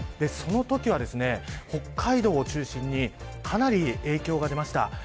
そのときは、北海道を中心にかなり影響が出ました。